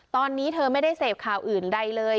ตอนนี้เธอไม่ได้เสพข่าวอื่นใดเลย